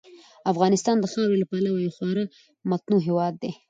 افغانستان د خاورې له پلوه یو خورا متنوع هېواد دی.